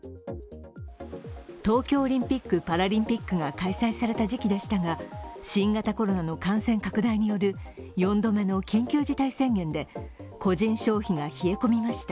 東京オリンピック・パラリンピックが開催された時期でしたが新型コロナの感染拡大による４度目の緊急事態宣言で個人消費が冷え込みました。